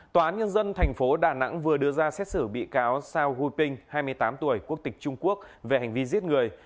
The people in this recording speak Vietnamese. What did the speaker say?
tòa án nhân dân thành phố đà nẵng vừa đưa ra xét xử bị cáo sao huy pinh hai mươi tám tuổi quốc tịch trung quốc về hành vi giết người